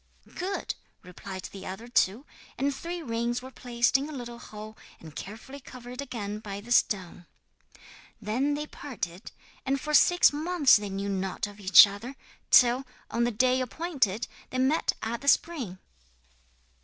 '"Good," replied the other two. And three rings were placed in a little hole, and carefully covered again by the stone. 'Then they parted, and for six months they knew naught of each other, till, on the day appointed, they met at the spring.